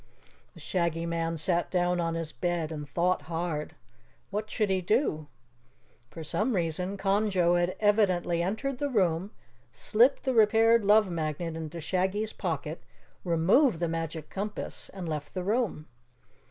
The Shaggy Man sat down on his bed and thought hard. What should he do? For some reason Conjo had evidently entered the room, slipped the repaired Love Magnet into Shaggy's pocket, removed the Magic Compass, and left the room.